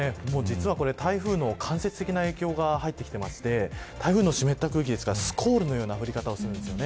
台風の間接的な影響が入ってきていまして台風の湿った空気がスコールのような降り方をするんです。